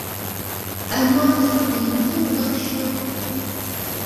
ئەمما بىزنىڭ دىنىمىزدا ئۇنداق ئىش يوق.